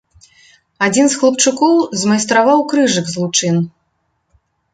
Адзін з хлапчукоў змайстраваў крыжык з лучын.